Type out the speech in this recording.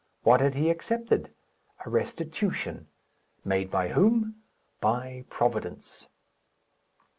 What had he accepted? A restitution. Made by whom? By Providence.